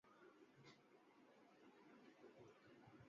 فرقت یار نے آباد کیا آخر شب